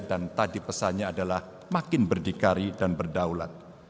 dan tadi pesannya adalah makin berdikari dan berdaulat